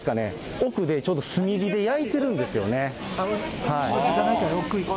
奥でちょうど炭火で焼いてるんですよね。